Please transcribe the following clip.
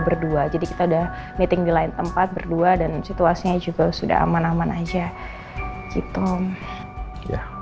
berdua jadi kita udah meeting di lain tempat berdua dan situasinya juga sudah aman aman aja gitu